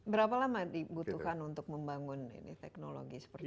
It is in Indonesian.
berapa lama dibutuhkan untuk membangun ini teknologi seperti ini